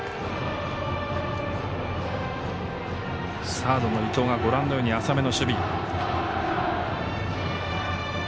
サードの伊藤が浅めの守備。